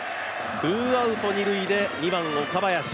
ツーアウト・二塁で２番・岡林。